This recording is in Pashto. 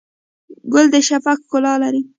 ګل د شفق ښکلا لري.